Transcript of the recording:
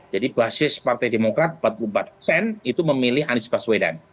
jadi basis partai demokrat empat puluh empat persen itu memilih anies baswedan